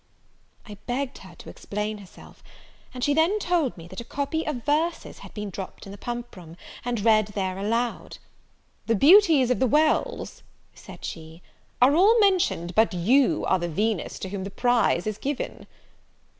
I begged her to explain herself: and she then told me, that a copy of verses had been dropped in the pump room, and read there aloud: "The beauties of the Wells," said she, "are all mentioned, but you are the Venus to whom the prize is given."